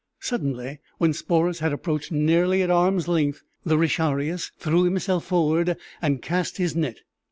Suddenly, when Sporus had approached nearly at arm's length, the retiarius threw himself forward and cast his net.